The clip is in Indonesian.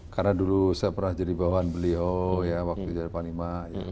karena dulu saya pernah jadi bawaan beliau ya waktu jadi pak nima